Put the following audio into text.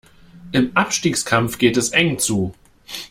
Im Abstiegskampf geht es eng zu.